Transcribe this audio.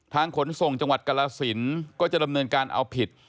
ขนส่งจังหวัดกรสินก็จะดำเนินการเอาผิด